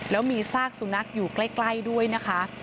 แล้วมีซากสุนัขอยู่ใกล้ด้วยนะคะ